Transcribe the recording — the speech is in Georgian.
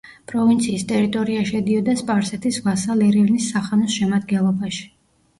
პროვინციის ტერიტორია შედიოდა სპარსეთის ვასალ ერევნის სახანოს შემადგენლობაში.